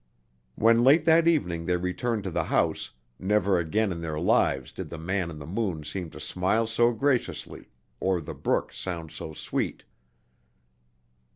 When late that evening they returned to the house, never again in their lives did the man in the moon seem to smile so graciously or the brook sound so sweet.